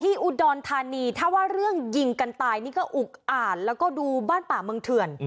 อุดรธานีถ้าว่าเรื่องยิงกันตายนี่ก็อุกอ่านแล้วก็ดูบ้านป่าเมืองเถื่อน